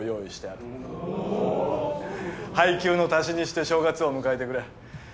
配給の足しにして正月を迎えてくれ。